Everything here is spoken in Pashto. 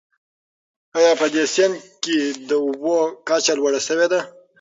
آیا په دې سیند کې د اوبو کچه لوړه شوې ده؟